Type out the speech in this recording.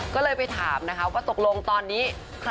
ก็เลยไปถามนะคะว่าตกลงตอนนี้